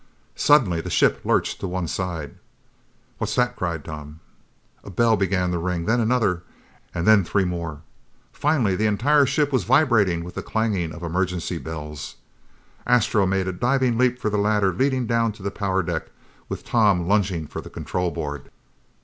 Suddenly the ship lurched to one side. "What's that?" cried Tom. A bell began to ring. Then another and then three more. Finally the entire ship was vibrating with the clanging of emergency bells. Astro made a diving leap for the ladder leading down to the power deck, with Tom lunging for the control board.